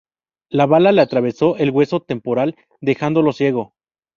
La bala le atravesó el hueso temporal, dejándolo ciego.